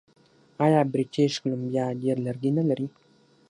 آیا بریټیش کولمبیا ډیر لرګي نلري؟